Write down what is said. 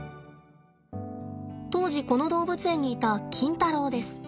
当時この動物園にいたキンタロウです。